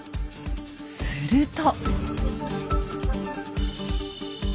すると。